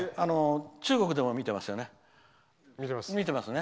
中国でも見てますよね。